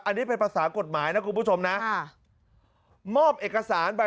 อันนี้เป็นภาษากฎหมายนะคุณผู้ชมนะมอบเอกสารไป